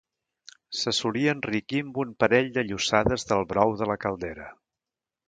se solia enriquir amb un parell de llossades del brou de la caldera